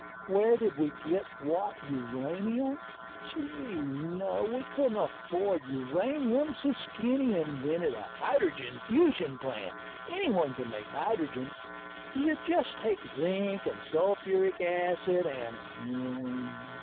Where did we get what uranium? Gee, no, we couldn't afford uranium, so Skinny invented a hydrogen fusion plant. Anyone can make hydrogen. You just take zinc and sulfuric acid and